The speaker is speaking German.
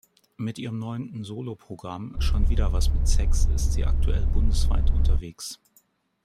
Mit ihrem neunten Solo-Programm "Schon wieder was mit Sex" ist sie aktuell bundesweit unterwegs.